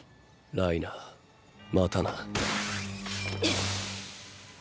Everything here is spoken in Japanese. ライナーまたな。